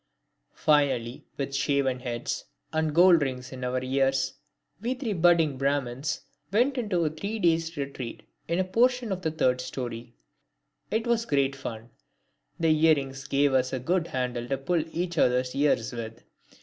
Finally, with shaven heads and gold rings in our ears, we three budding Brahmins went into a three days' retreat in a portion of the third storey. It was great fun. The earrings gave us a good handle to pull each other's ears with.